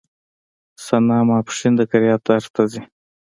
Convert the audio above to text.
ثنا ماسپښين د قرائت درس ته ځي.